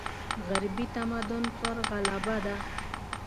غربي تمدن پر غلبه ده.